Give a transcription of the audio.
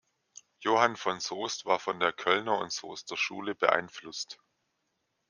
Johann von Soest war von der Kölner und Soester Schule beeinflusst.